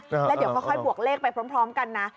แล้วเดี๋ยวค่อยบวกเลขไปพร้อมกันนะ